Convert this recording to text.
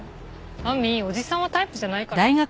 亜美おじさんはタイプじゃないから。